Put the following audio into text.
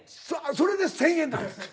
それで１，０００円なんです。